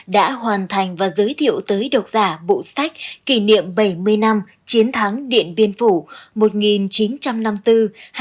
đã hoàn thành và giới thiệu tới độc giả bộ sách kỷ niệm bảy mươi năm chiến thắng điện biên phủ một nghìn chín trăm năm mươi bốn hai nghìn hai mươi bốn